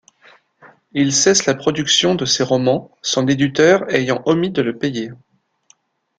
Il cesse la production de ces romans, son éditeur ayant omis de le payer.